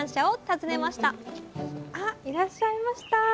あいらっしゃいました。